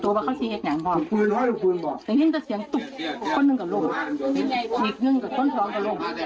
ตรงนี้มีเสียงตุ๊บคนหนึ่งก็ลงอีกคนนึงก็ต้นท้องก็ลง